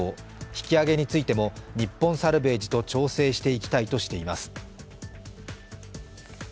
引き揚げについても日本サルヴェージと調整していきたいとしています。